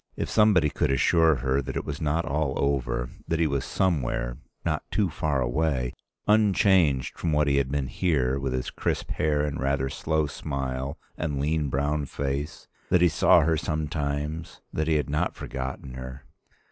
If somebody could assure her that it was not all over, that he was somewhere, not too far away, unchanged from what he had been here, with his crisp hair and rather slow smile and lean brown face, that he saw her sometimes, that he had not forgotten her.